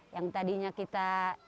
yang tadinya kita